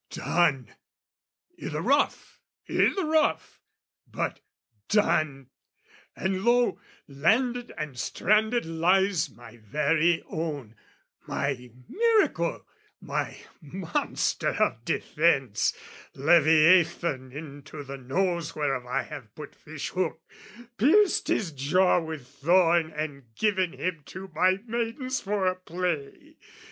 Done! I' the rough, i' the rough! But done! And, lo, Landed and stranded lies my very own, My miracle, my monster of defence Leviathan into the nose whereof I have put fish hook, pierced his jaw with thorn, And given him to my maidens for a play!